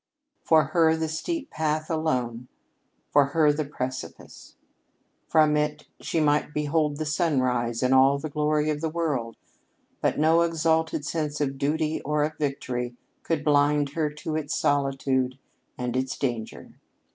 For her the steep path, alone; for her the precipice. From it she might behold the sunrise and all the glory of the world, but no exalted sense of duty or of victory could blind her to its solitude and to its danger.